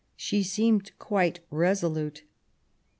She seemed quite resolute.